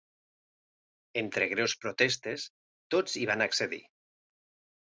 Entre greus protestes, tots hi van accedir.